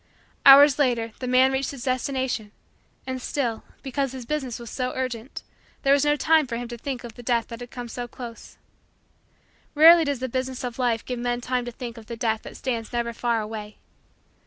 Hours later, the man reached his destination, and still, because his business was so urgent, there was no time for him to think of the Death that had come so close. Rarely does the business of life give men time to think of the Death that stands never far away.